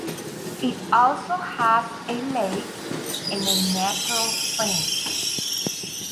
It also has a lake and a natural spring.